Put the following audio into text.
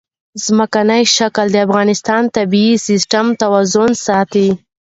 ځمکنی شکل د افغانستان د طبعي سیسټم توازن ساتي.